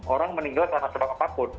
orang meninggal karena sebab apapun